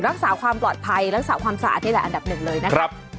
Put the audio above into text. รักษาความปลอดภัยรักษาความสะอาดนี่แหละอันดับหนึ่งเลยนะครับ